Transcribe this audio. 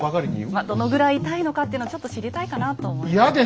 まあどのくらい痛いのかっていうのをちょっと知りたいかなと思いまして。